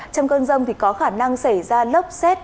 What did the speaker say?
trong cơn rông thì có khả năng xảy ra lốc xét